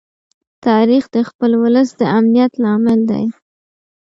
تاریخ د خپل ولس د امنیت لامل دی.